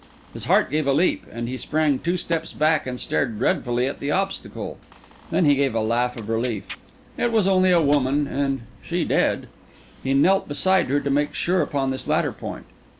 His heart gave a leap, and he sprang two steps back and stared dreadfully at the obstacle. Then he gave a little laugh of relief. It was only a woman, and she dead. He knelt beside her to make sure upon this latter point.